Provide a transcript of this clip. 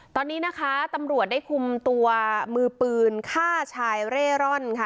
ตอนนี้นะคะตำรวจได้คุมตัวมือปืนฆ่าชายเร่ร่อนค่ะ